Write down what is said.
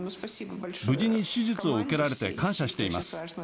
無事に手術を受けられて感謝しています。